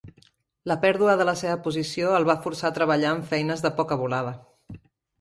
La pèrdua de la seva posició el va forçar a treballar en feines de poca volada.